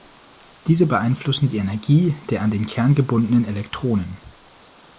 Diese beeinflussen die Energie der an den Kern gebundenen Elektronen.